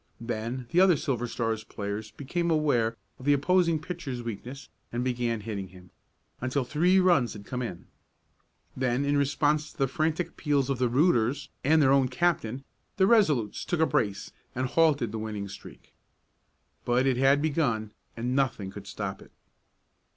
Then the other Silver Star players became aware of the opposing pitcher's weakness and began hitting him, until three runs had come in. Then, in response to the frantic appeals of the "rooters" and their own captain, the Resolutes took a brace and halted the winning streak. But it had begun, and nothing could stop it.